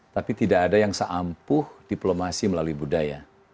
tapi tidak ada yang seampuh diplomasi melalui budaya